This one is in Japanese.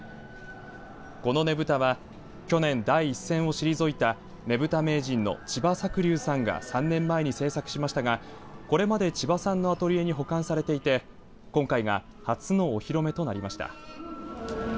このねぶたは去年第一線を退いたねぶた名人の千葉作龍さんが３年前に制作しましたがこれまで千葉さんのアトリエに保管されていて今回が初のお披露目となりました。